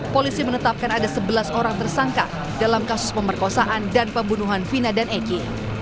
polisi menetapkan ada sebelas orang tersangka dalam kasus pemerkosaan dan pembunuhan vina dan egy